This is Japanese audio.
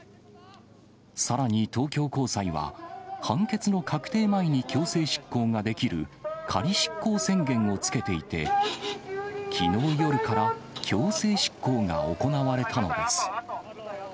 さらに東京高裁は、判決の確定前に強制執行ができる仮執行宣言を付けていて、きのう夜から強制執行が行われたのです。